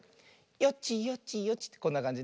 よちよちよちってこんなかんじね。